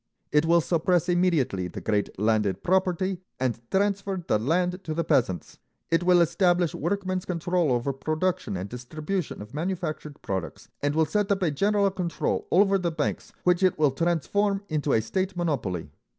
It will suppress immediately the great landed property, and transfer the land to the peasants. It will establish workmen's control over production and distribution of manufactured products, and will set up a general control over the banks, which it will transform into a state monopoly.